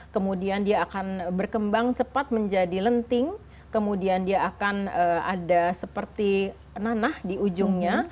yang cepat menjadi lenting kemudian dia akan ada seperti nanah di ujungnya